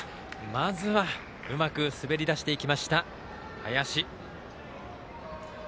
まずはうまく滑り出していきました、林。